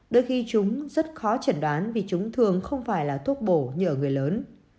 đôi khi chúng rất khó chẩn đoán vì chúng thường không phải là thuốc bổ như ở người lớn